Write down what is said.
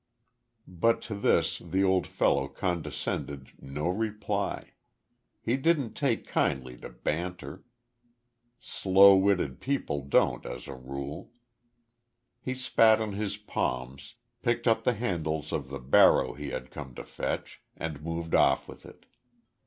But to this the old fellow condescended no reply. He didn't take kindly to banter, slow witted people don't as a rule. He spat on his palms, picked up the handles of the barrow he had come to fetch and moved off with it.